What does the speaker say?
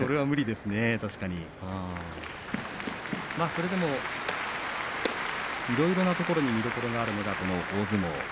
それでもいろいろなところに見どころがあるのが大相撲。